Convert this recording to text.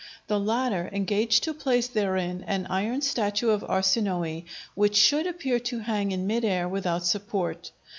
The latter engaged to place therein an iron statue of Arsinoë which should appear to hang in mid air without support.